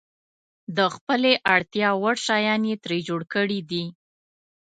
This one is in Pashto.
د خپلې اړتیا وړ شیان یې ترې جوړ کړي دي.